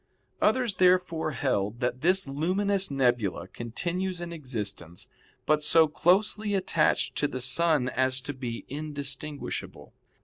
Others, therefore, held that this luminous nebula continues in existence, but so closely attached to the sun as to be indistinguishable.